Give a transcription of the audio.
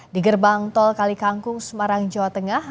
di gerbang tol kalikangkung semarang jawa tengah